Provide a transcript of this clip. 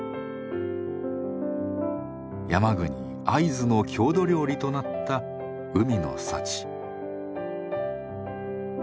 山国会津の郷土料理となった海の幸。